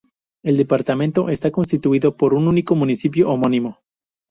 El departamento está constituido por un único municipio homónimo.